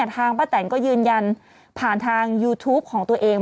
ทางป้าแตนก็ยืนยันผ่านทางยูทูปของตัวเอง